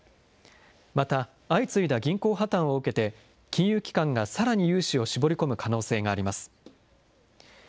また、相次いだ銀行破綻を受けて、金融機関がさらに融資を絞り込む可能性があります。